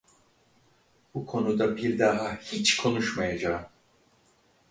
Bu konuda bir daha hiç konuşmayacağım.